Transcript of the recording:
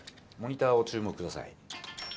モニターを注目ください。